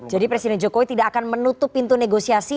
jadi presiden jokowi tidak akan menutup pintu negosiasi